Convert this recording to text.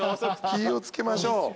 気を付けましょう。